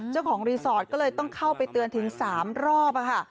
เจ้าของรีสอร์ทก็เลยต้องเข้าไปเตือนถึง๓รอบค่ะ